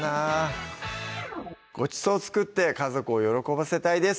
ごちそう作って家族を喜ばせたいです